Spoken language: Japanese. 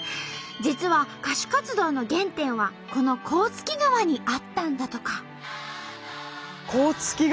実は歌手活動の原点はこの甲突川にあったんだとか。